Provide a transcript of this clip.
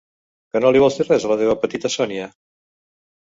Que no li vols dir res a la teva petita Sonia?